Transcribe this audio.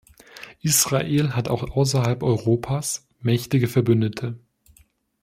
Israel hat auch außerhalb Europas mächtige Verbündete.